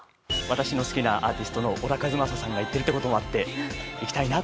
私の好きなアーティストの小田和正さんが行ってるって事もあって行きたいなと思いました。